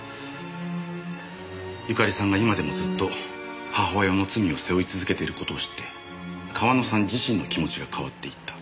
由香利さんが今でもずっと母親の罪を背負い続けている事を知って川野さん自身の気持ちが変わっていった。